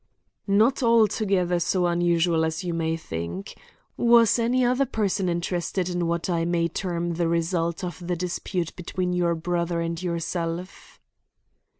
"Not altogether so unusual as you may think. Was any other person interested in what I may term the result of the dispute between your brother and yourself?"